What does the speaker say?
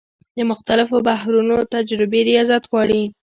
د مختلفو بحرونو تجربې ریاضت غواړي.